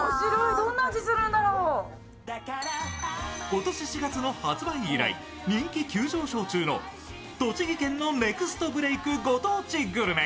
今年４月の発売以来人気急上昇中の栃木県のネクストブレイクご当地グルメ。